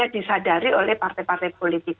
disadari oleh partai partai politik